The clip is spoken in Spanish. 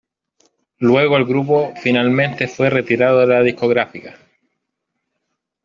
Luego el grupo finalmente fue retirado de la discográfica.